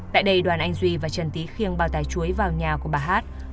tại đây đoàn anh duy và trần tý khiêng bao tải chuối vào nhà của bà hát